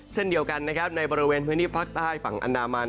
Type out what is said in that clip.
เช่นเดียวกันนะครับในบริเวณพื้นที่ภาคใต้ฝั่งอันดามัน